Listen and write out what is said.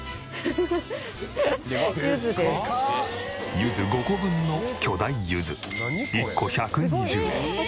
柚子５個分の巨大柚子１個１２０円。